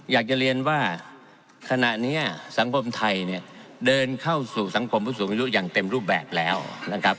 อยากจะเรียนว่าขณะนี้สังคมไทยเนี่ยเดินเข้าสู่สังคมผู้สูงอายุอย่างเต็มรูปแบบแล้วนะครับ